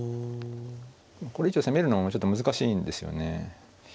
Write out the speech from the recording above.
これ以上攻めるのも難しいんですよね。